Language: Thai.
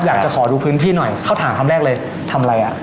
อยากจะขอดูพื้นที่หน่อยเขาถามคำแรกเลยทำอะไรอ่ะ